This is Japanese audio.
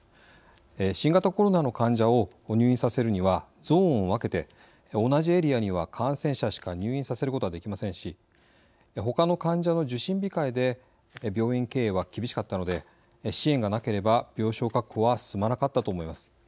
新型コロナの患者を入院させるにはゾーンを分けて同じエリアには感染者しか入院させることができませんしほかの患者の受診控えで病院経営は厳しかったので支援がなければ病床確保は進まなかったと思います。